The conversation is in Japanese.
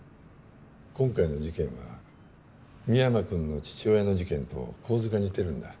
今回の事件は深山君の父親の事件と構図が似てるんだ